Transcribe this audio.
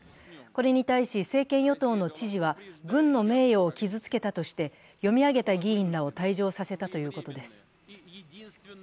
これに対し政権与党の知事は軍の名誉を傷つけたとして読み上げた議員らを退場させたということです。